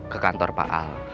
ke kantor pak al